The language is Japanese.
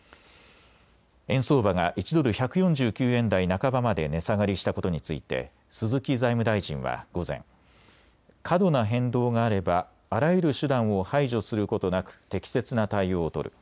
円相場が１ドル１４９円台半ばまで値下がりしたことについて鈴木財務大臣は午前、過度な変動があればあらゆる手段を排除することなく適切な対応を取る。